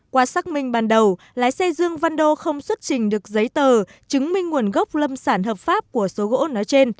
qua xác minh ban đầu lái xe dương văn đô không xuất trình được giấy tờ chứng minh nguồn gốc lâm sản hợp pháp của số gỗ nói trên